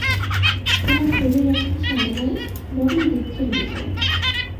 তোমার শরীর এখনও সারে নাই, বড়ই দঃখের বিষয়।